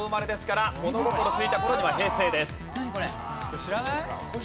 知らない？